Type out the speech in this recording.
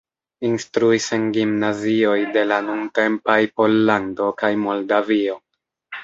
Instruis en gimnazioj de la nuntempaj Pollando kaj Moldavio.